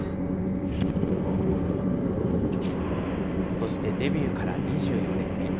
そしてデビューから２４年目。